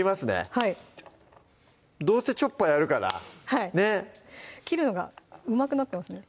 はいどうせ「チョッパー」やるから切るのがうまくなってますね